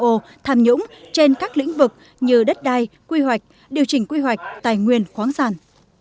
ô tham nhũng trên các lĩnh vực như đất đai quy hoạch điều chỉnh quy hoạch tài nguyên khoáng sản